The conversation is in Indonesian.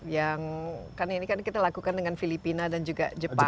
yang kan ini kan kita lakukan dengan filipina dan juga jepang